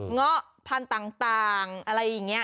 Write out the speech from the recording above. หัวแหล่งตั้งอะไรอย่างเนี้ย